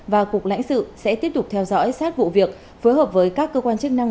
và cục lãnh sự sẽ tiếp tục theo dõi sát vụ việc phối hợp với các cơ quan chức năng